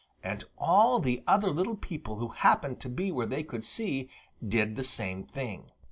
And all the other little people who happened to be where they could see did the same thing.